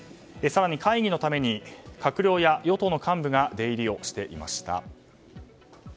更に会議のために、閣僚や与党幹部が出入りしていました。